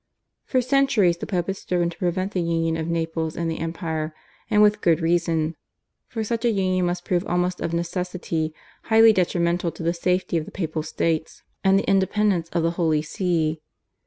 For centuries the Pope had striven to prevent the union of Naples and the Empire, and with good reason, for such a union must prove almost of necessity highly detrimental to the safety of the Papal States and the independence of the Holy See.